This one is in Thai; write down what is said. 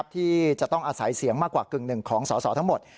ที่จะต้องอาศัยเสียงมากกว่ากึ่งหนึ่งของสอสอทั้งหมด